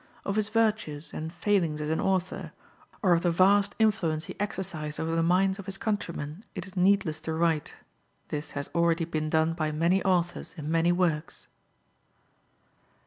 Of his virtues and failings as an author, or of the vast influence he exercised over the minds of his countrymen, it is needless to write. This has already been done by many authors in many works.